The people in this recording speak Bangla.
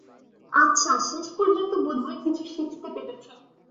আচ্ছা, শেষপর্যন্ত বোধহয় কিছু শিখতে পেরেছো।